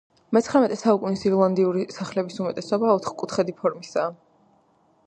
მეცხრამეტე საუკუნის ირლანდიური სახლების უმეტესობა ოთხკუთხედი ფორმისაა.